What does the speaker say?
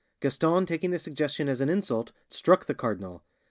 Gaston taking the suggestion as an insult, struck the cardinal.